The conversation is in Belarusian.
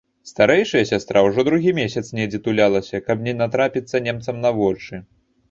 Старэйшая сястра ўжо другі месяц недзе тулялася, каб не натрапіцца немцам на вочы.